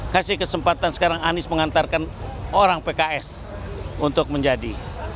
kasih kesempatan sekarang anies mengantarkan orang pks untuk menjadi